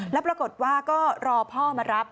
แล้วปรากฏว่าก็รอพ่อมารับ